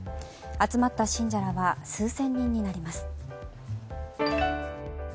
集まった信者らは数千人になります。